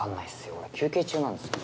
俺休憩中なんですけど。